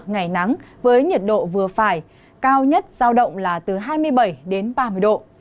ngày nắng với nhiệt độ vừa phải cao nhất giao động là từ hai mươi bảy đến ba mươi độ